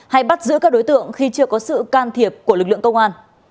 hay bắt giữ các đối tượng khi chưa có sự can thiệp của lực lượng công an